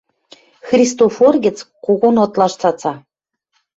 Христофор гӹц когон ытлаш цаца...